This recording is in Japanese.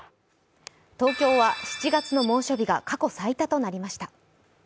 東京は７月の猛暑日が過去最多となりました。